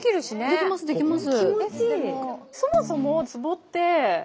できますできます。